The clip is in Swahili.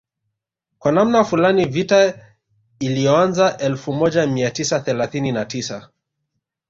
Kwa namna fulani vita iliyoanza elfu moja mia tisa thelathini na tisa